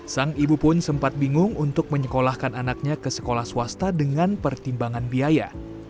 sang ibu pun sempat bingung untuk menyekolahkan anaknya ke sekolah swasta dengan pertimbangan biaya